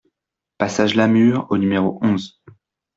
Passage Lamure au numéro onze